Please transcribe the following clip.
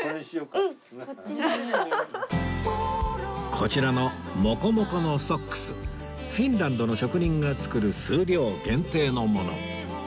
こちらのモコモコのソックスフィンランドの職人が作る数量限定のもの